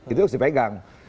itu harus dipegang